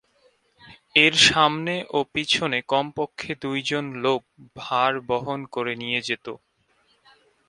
এর সামনে ও পিছনে কমপক্ষে দুইজন লোক ভার বহন করে নিয়ে যেতো।